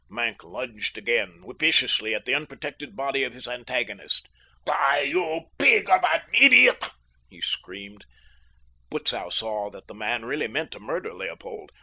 Maenck lunged again, viciously, at the unprotected body of his antagonist. "Die, you pig of an idiot!" he screamed. Butzow saw that the man really meant to murder Leopold.